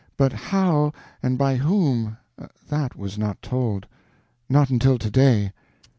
But how and by whom—that was not told. Not until to day."